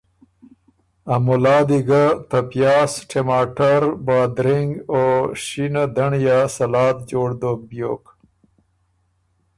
ا ملا دی ګه ته پیاس، ټماټر، بادرِنګ او شینه دنړیا سلاد جوړ دوک بیوک۔